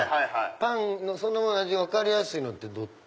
パンそのものの味が分かりやすいのってどっち？